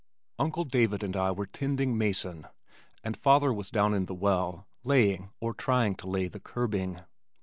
Uncle David and I were "tending mason," and father was down in the well laying or trying to lay the curbing.